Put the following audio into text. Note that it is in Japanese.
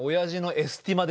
エスティマで？